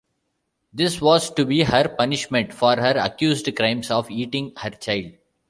This was to be her punishment for her accused crimes of eating her child.